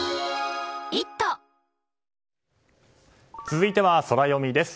続いてはソラよみです。